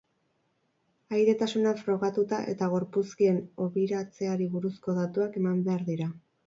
Ahaidetasuna frogatuta eta gorpuzkien hobiratzeari buruzko datuak eman behar dira.